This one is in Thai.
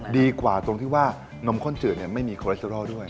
ดีกว่าตรงที่ว่านมข้นจืดไม่มีโคเรสเตอรอลด้วย